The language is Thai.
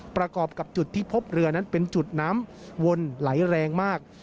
ประกอบกับจุดที่พบเรือนั้นเป็นจุดน้ำวนไหลแรงมาก